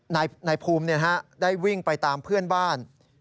นายภูมิได้วิ่งไปตามเพื่อนบ้าน